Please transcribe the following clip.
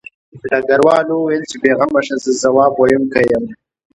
ډګروال وویل چې بې غمه شه زه ځواب ویونکی یم